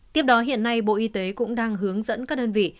tiếp đó hiện nay bộ y tế cũng đang hướng dẫn các đơn vị